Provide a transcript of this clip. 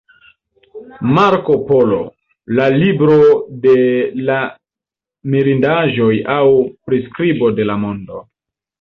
Marko Polo: La libro de la mirindaĵoj aŭ priskribo de la mondo.